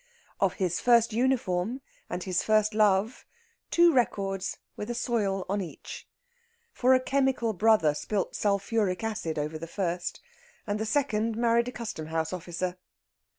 Of his first uniform and his first love, two records with a soil on each. For a chemical brother spilt sulphuric acid over the first, and the second married a custom house officer.